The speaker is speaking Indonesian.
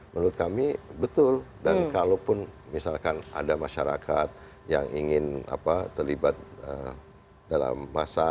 menurut kami betul dan kalaupun misalkan ada masyarakat yang ingin terlibat dalam masa